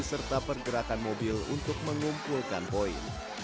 serta pergerakan mobil untuk mengumpulkan poin